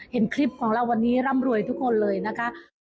เห็นคลิปของเราวันนี้ร่ำรวยทุกคนเลยนะคะ